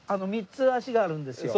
３つ足があるんですよ。